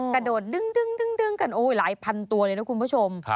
กระโดดดึงกันโอ้ยหลายพันตัวเลยนะคุณผู้ชม